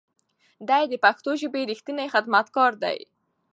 دی د پښتو ژبې رښتینی خدمتګار دی.